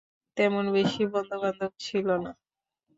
তেমন বেশী বন্ধু-বান্ধব ছিলো না।